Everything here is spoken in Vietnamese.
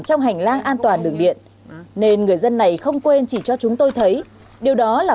trong hành lang an toàn đường điện nên người dân này không quên chỉ cho chúng tôi thấy điều đó là